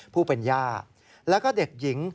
ผู้เป็นย่าแล้วก็เด็กหญิง